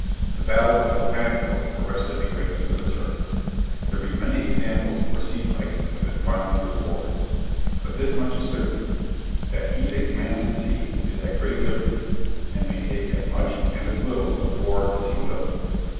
The Bataille of Lepanto arrested the Greatnesse of the Turke. There be many Examples where Sea Fights have been Finall to the Warre. But this much is certaine; that hee that commands the Sea is at great liberty, and may take as much and as little of the Warre as he will.